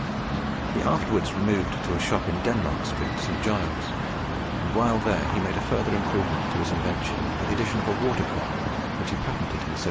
He afterwards removed to a shop in Denmark Street, St. Giles's, and while there he made a further improvement in his invention by the addition of a water cock, which he patented in 1783.